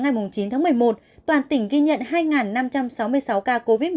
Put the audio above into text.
ngày chín tháng một mươi một toàn tỉnh ghi nhận hai năm trăm sáu mươi sáu ca covid một mươi